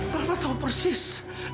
nama tahu persis